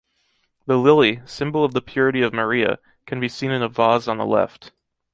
The lily, symbol of the purity of Maria, can be seen in a vase on the left.